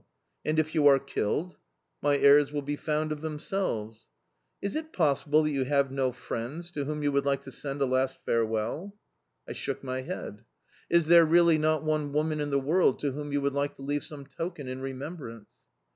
"And if you are killed?" "My heirs will be found of themselves." "Is it possible that you have no friends, to whom you would like to send a last farewell?"... I shook my head. "Is there, really, not one woman in the world to whom you would like to leave some token in remembrance?"...